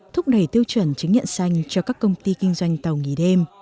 thúc đẩy tiêu chuẩn chứng nhận xanh cho các công ty kinh doanh tàu nghỉ đêm